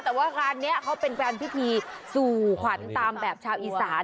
แต่ว่าร้านเนี้ยเเค้าเป็นการพิพีสูขวัญตามแบบชาวอีสาน